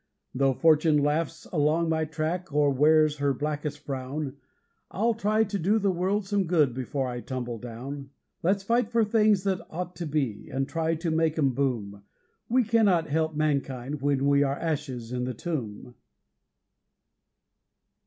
Though Fortune laughs along my track, or wears her blackest frown, I'll try to do the world some good before I tumble down. Let's fight for things that ought to be, and try to make 'em boom; We cannot help mankind when we are ashes in the tomb.